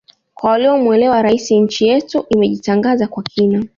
Kwa waliomuelewa Rais nchi yetu imejitangaza kwa kina